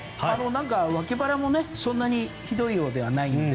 脇腹も、そんなにひどいようではないので。